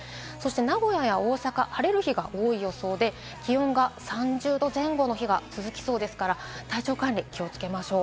名古屋や大阪、晴れる日が多い予想で、気温が３０度前後の日が続きそうですから、体調管理に気をつけましょう。